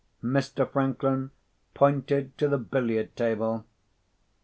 Mr. Franklin pointed to the billiard table.